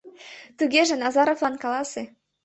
— Тугеже Назаровлан каласе.